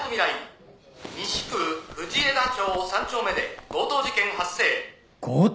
「西区藤枝町３丁目で強盗事件発生」強盗！？